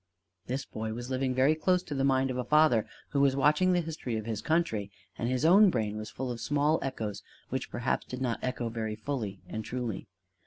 This boy was living very close to the mind of a father who was watching the history of his country; and his own brain was full of small echoes, which perhaps did not echo very fully and truly.